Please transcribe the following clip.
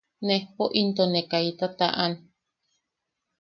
Nejpo into ne kaita taʼan: